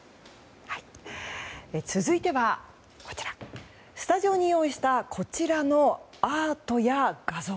続いてはスタジオに用意したこちらのアートや画像。